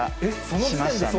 しましたね。